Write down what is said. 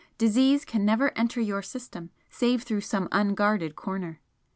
Disease can never enter your system save through some unguarded corner.